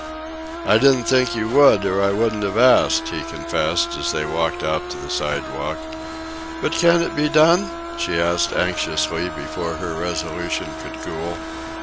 "I didn't think you would, or I wouldn't have asked," he confessed, as they walked out to the sidewalk. "But can't it be done?" she asked anxiously, before her resolution could cool.